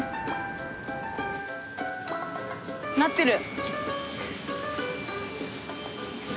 なってる。